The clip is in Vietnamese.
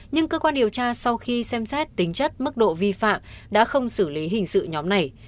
nhưng cơ quan điều tra sau khi xem xét tính chất mức độ vi phạm đã không xử lý hình sự nhóm này